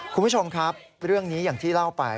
คุณผู้ชมครับเรื่องนี้อย่างที่เล่าไป